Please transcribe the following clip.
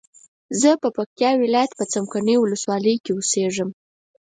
زه په پکتیا ولایت څمکنیو ولسوالۍ کی اوسیږم